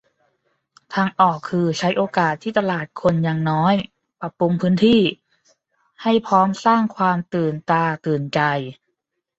ทางออกคือใช้โอกาสที่ตลาดคนยังน้อยปรับปรุงพื้นที่ ให้พร้อมสร้างความตื่นตาตื่นใจ